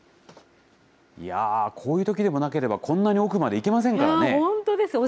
いやー、こういうときでもなければこんなに奥まで行けませんいや、本当です。